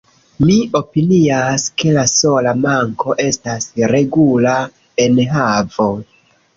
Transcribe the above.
Mi opinias, ke la sola manko estas regula enhavo.